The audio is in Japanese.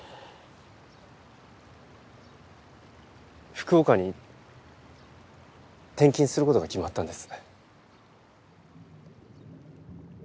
福岡に転勤することが決まったんです。